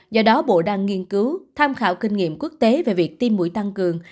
do đó bộ đang nghiên cứu tham khảo kinh nghiệm quốc tế về việc tiêm mũi tăng cường